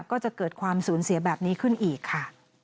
ก็จะเกิดความสูญเสียแบบนี้ขึ้นอีกค่ะ